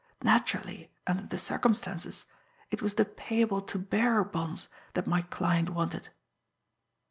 Naturally, under the circumstances, it was the 'payable to bearer' bonds that my client wanted."